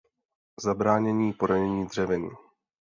Zabránění poranění dřevin.